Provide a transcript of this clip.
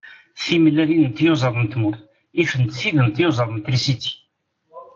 Timellalin n tyuẓaḍ n tmurt ifent tid n tyuẓaḍ n trisiti.